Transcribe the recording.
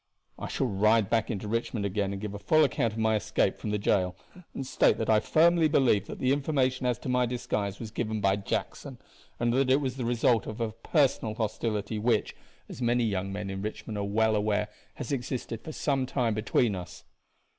"I shall ride back into Richmond again and give a full account of my escape from the jail, and state that I firmly believe that the information as to my disguise was given by Jackson, and that it was the result of a personal hostility which, as many young men in Richmond are well aware, has existed for some time between us."